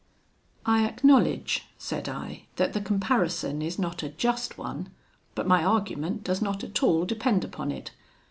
"'I acknowledge,' said I, 'that the comparison is not a just one, but my argument does not at all depend upon it.